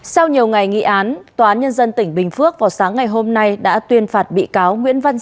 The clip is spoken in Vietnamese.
sau nhiều ngày nghị án tòa án nhân dân tỉnh bình phước vào sáng ngày hôm nay đã tuyên phạt bị cáo nguyễn văn